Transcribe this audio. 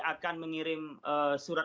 akan mengirim surat